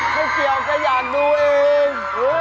ไม่เกี่ยวก็อยากดูเอง